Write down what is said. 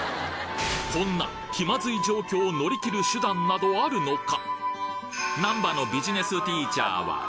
こんな気まずい状況を乗り切る手段などあるのか？